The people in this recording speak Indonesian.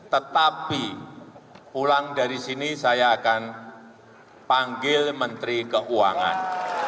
tetapi pulang dari sini saya akan panggil menteri keuangan